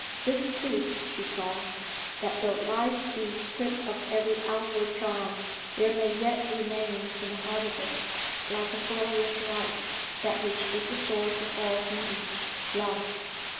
This truth she saw: that though life be stripped of every outward charm there may yet remain in the heart of it, like a glorious light, that which is the source of all beauty Love.